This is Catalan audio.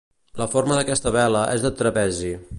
La forma d'aquesta vela és de trapezi.